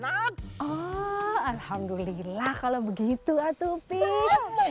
alhamdulillah kalau begitu atuh